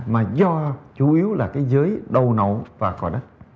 mà do chủ yếu là cái giới đầu nậu và cò đất